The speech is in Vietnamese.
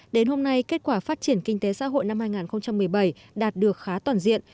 đến hôm nay kết quả phát triển kinh tế xã hội năm hai nghìn một mươi bảy đạt được khá toàn diện